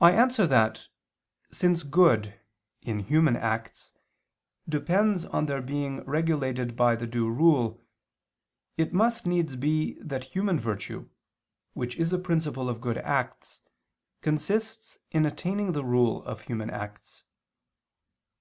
I answer that, Since good, in human acts, depends on their being regulated by the due rule, it must needs be that human virtue, which is a principle of good acts, consists in attaining the rule of human acts.